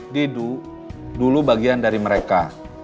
didu dulu bagian dari mereka